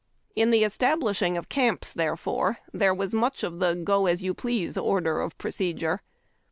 In the establishing of camps, therefore, there was much of the go as you please order of procedure.